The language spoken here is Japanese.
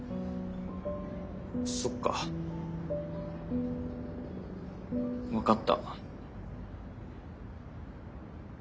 そっか分かった。